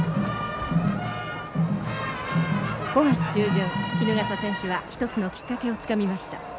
５月中旬衣笠選手は一つのきっかけをつかみました。